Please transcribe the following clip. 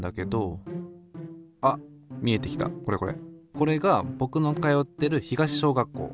これがぼくの通ってる東小学校。